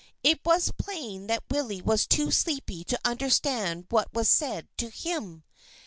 It was plain that Willie was too sleepy to understand what was said to him.